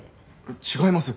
違います。